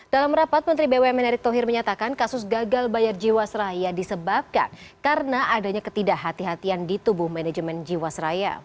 dalam rapat menteri bumn erick thohir menyatakan kasus gagal bayar jiwasraya disebabkan karena adanya ketidakhatian di tubuh manajemen jiwasraya